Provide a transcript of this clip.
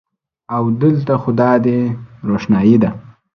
او د لته خو دادی روښنایې ده